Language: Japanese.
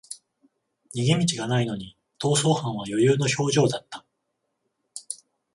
逃げ道がないのに逃走犯は余裕の表情だった